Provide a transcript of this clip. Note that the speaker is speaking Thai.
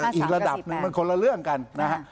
อีกระดับหนึ่งมันคนละเรื่องกันนะฮะ